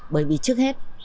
bởi vì trước hết